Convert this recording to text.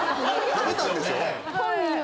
食べたんでしょ？